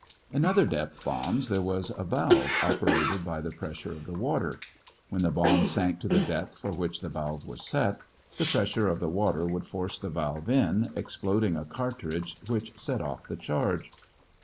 In other depth bombs there was a valve operated by the pressure of the water. When the bomb sank to the depth for which the valve was set, the pressure of the water would force the valve in, exploding a cartridge which set off the charge.